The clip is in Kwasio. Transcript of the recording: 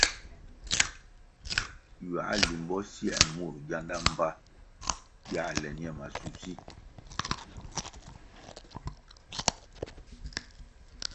Ywãh limbo sier mur gianda mbpa yãh le ñe maschusi.